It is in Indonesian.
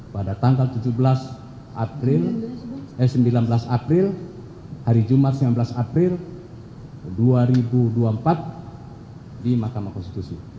pada tanggal tujuh belas april eh sembilan belas april hari jumat sembilan belas april dua ribu dua puluh empat di mahkamah konstitusi